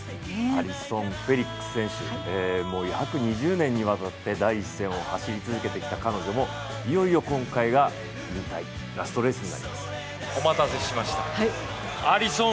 アリソン・フェリックス選手、約２０年にわたって第一線を走り続けてきた彼女も、いよいよ今回が引退、ラストレースになります。